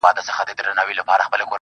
ما د هغې له سونډو څو ځلې زبېښلي شراب~